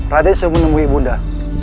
raden sudah menemui bunda